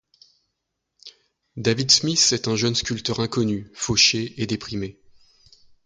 David Smith est un jeune sculpteur inconnu, fauché et déprimé.